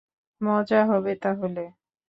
মজা হবে তাহলে।